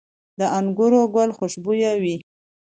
د انګورو ګل خوشبويه وي؟